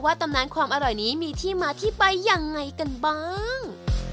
ตำนานความอร่อยนี้มีที่มาที่ไปยังไงกันบ้าง